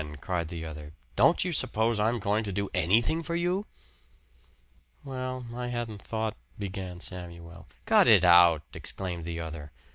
cried the other. "Don't you suppose I'm going to do anything for you?" "Well, I hadn't thought " began Samuel. "Cut it out!" exclaimed the other.